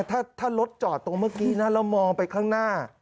ถ้ารถจอดตรงเมื่อกี้นะแล้วมองไปข้างหน้า